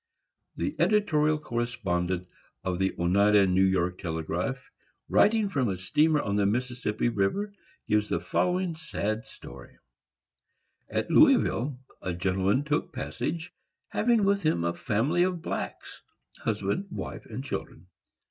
The editorial correspondent of the Oneida (N. Y.) Telegraph, writing from a steamer on the Mississippi river, gives the following sad story: "At Louisville, a gentleman took passage, having with him a family of blacks,—husband, wife and children.